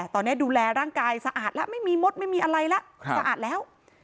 ตอนนี้ดูแลร่างกายสะอาดแล้วไม่มีมดไม่มีอะไรแล้วสะอาดแล้ว